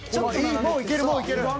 もういけるもういける。